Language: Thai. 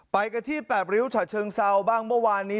ไปกันที่๘ริ้วฉะเชิงเซาบ้างเมื่อวานนี้